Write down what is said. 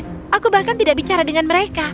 saya bahkan tidak bicara dengan mereka